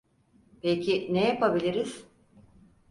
Peki ne yapabiliriz?